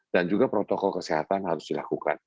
dan juga protokol kesehatan harus dilakukan